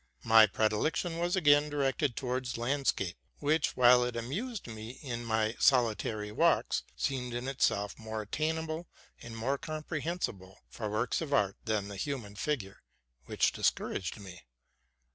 My predilection was again directed towards landscape, which, while it amused me in my solitary walks, seemed in itself more attainable and more comprehensible for works of art than the human figure, which discouraged me.